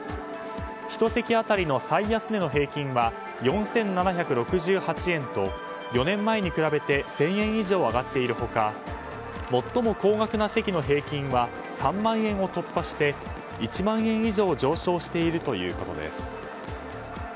１席当たりの最安値の平均は４７６８円と４年前に比べて１０００円以上上がっている他最も高額な席の平均は３万円を突破して１万円以上上昇しているということです。